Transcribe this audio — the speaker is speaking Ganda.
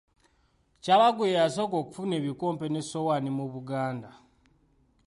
Kyabaggu ye yasooka okufuna ekikompe n'essowaane mu Buganda.